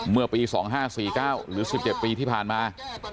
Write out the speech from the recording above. เมื่อปี๒๕๔๙หรือ๑๗ปีที่ผ่านมา